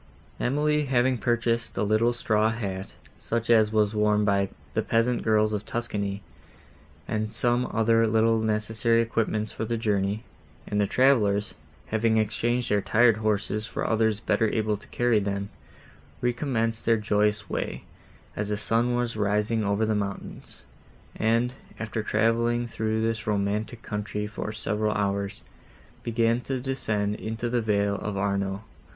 Emily, having purchased a little straw hat, such as was worn by the peasant girls of Tuscany, and some other little necessary equipments for the journey, and the travellers, having exchanged their tired horses for others better able to carry them, recommenced their joyous way, as the sun was rising over the mountains, and, after travelling through this romantic country, for several hours, began to descend into the vale of Arno.